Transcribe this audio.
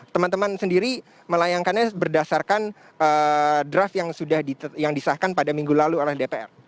teman teman sendiri melayangkannya berdasarkan draft yang disahkan pada minggu lalu oleh dpr